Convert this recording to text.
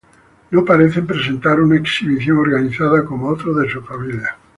No parecen presentar una exhibición organizada como otros de su familia.